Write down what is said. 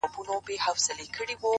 توروه سترگي ښايستې په خامـوشـۍ كي ـ